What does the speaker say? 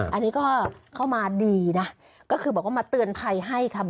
อันนี้ก็เข้ามาดีนะก็คือบอกว่ามาเตือนภัยให้ค่ะ